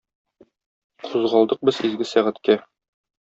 Кузгалдык без изге сәгатькә.